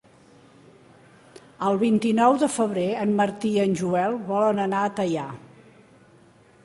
El vint-i-nou de febrer en Martí i en Joel volen anar a Teià.